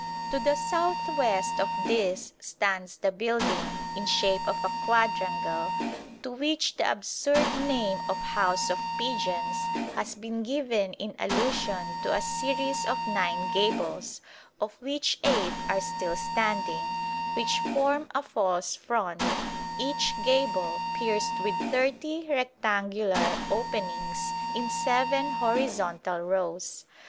To the south west of this stands the building, in shape a quadrangle, to which the absurd name of House of Pigeons has been given in allusion to a series of nine gables, of which eight are still standing, which form a false front, each gable pierced with thirty rectangular openings in seven horizontal rows.